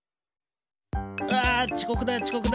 うわちこくだちこくだ！